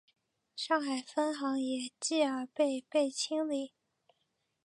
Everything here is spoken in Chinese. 上海分行也继而被被清理。